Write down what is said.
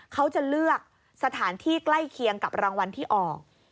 เขาจะเลือกสถานที่ใกล้เคียงกับรางวัลที่ออก